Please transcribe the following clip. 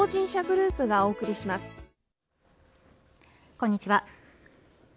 こんにちは。